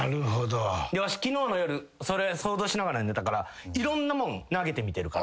わし昨日の夜それ想像しながら寝たからいろんなもん投げてみてるから。